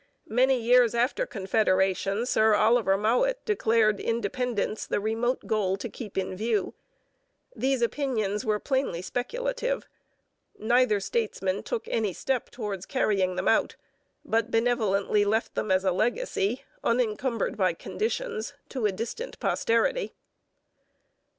' Many years after Confederation Sir Oliver Mowat declared independence the remote goal to keep in view. These opinions were plainly speculative. Neither statesman took any step towards carrying them out, but benevolently left them as a legacy, unencumbered by conditions, to a distant posterity.